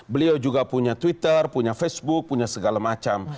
beliau juga punya twitter punya facebook punya segala macam